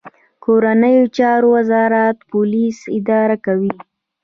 کورنیو چارو وزارت پولیس اداره کوي